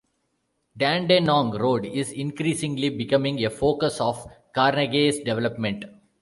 Dandenong road is increasingly becoming a focus of Carnegie's development.